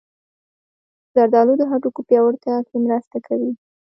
زردالو د هډوکو پیاوړتیا کې مرسته کوي.